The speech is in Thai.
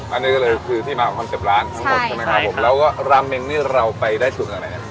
อันนี้ก็เลยคือที่มาของคอนเซ็ปต์ร้านทั้งหมดใช่ไหมครับผมแล้วก็ราเมงนี่เราไปได้สูตรอะไรเนี่ย